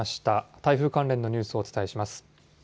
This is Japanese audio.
台風関連のニュースをお伝えします。